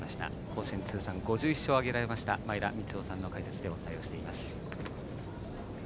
甲子園通算５１勝を挙げられた前田三夫さんの解説でお伝えをしています。